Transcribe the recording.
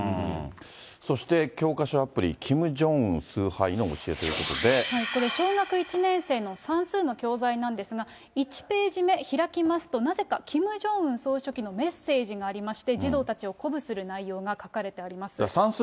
そして、教科書アプリ、キム・ジョンウン崇拝の教えというここれ、小学１年生の算数の教材なんですが、１ページ目、開きますと、なぜかキム・ジョンウン総書記のメッセージがありまして、児童たちを鼓舞する内容が書かれてあります。